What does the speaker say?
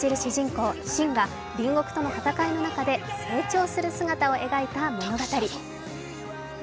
公信が隣国との戦いの中で成長する姿を描いた物語。